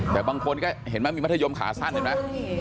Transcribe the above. แต่บางคนก็เห็นมั้ยมีมัธยมขาสั้นเห็นมั้ย